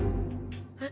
えっ？